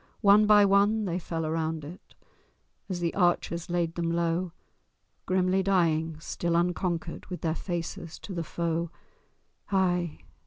One by one they fell around it, As the archers laid them low, Grimly dying, still unconquered, With their faces to the foe. Ay!